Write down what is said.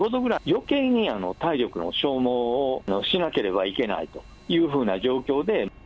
よけいに体力の消耗をしなければいけないっていうふうな状況で。